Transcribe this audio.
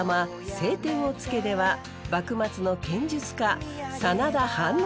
「青天を衝け」では幕末の剣術家真田範之